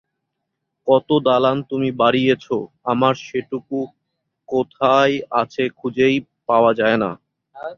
কত দালান তুমি বাড়িয়েছ, আমার সেটুকু কোথায় আছে খুঁজেই পাওয়া যায় না।